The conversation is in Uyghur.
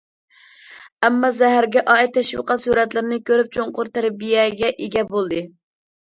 ئامما زەھەرگە ئائىت تەشۋىقات سۈرەتلىرىنى كۆرۈپ، چوڭقۇر تەربىيەگە ئىگە بولدى.